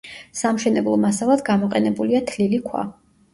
სამშენებლო მასალად გამოყენებულია თლილი ქვა.